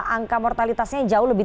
angka mortalitasnya jauh lebih